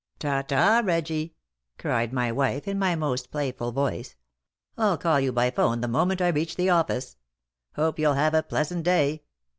"Ta ta, Reggie," cried my wife, in my most playful voice. "I'll call you by 'phone the moment I reach the office. Hope you'll have a pleasant day.